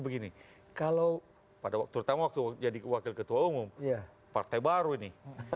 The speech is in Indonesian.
begini kalau pada waktu terutama waktu jadi wakil ketua umum partai baru ini